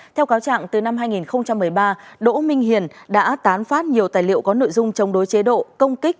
theo cáo trạng từ năm hai nghìn một mươi ba đỗ minh hiền đã tán phát nhiều tài liệu có nội dung chống đối chế độ công kích